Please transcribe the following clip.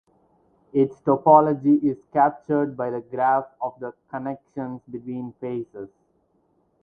Its topology is captured by the graph of the connections between faces.